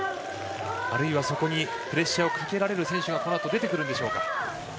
あるいはそこにプレッシャーをかられる選手がこのあと出てくるんでしょうか。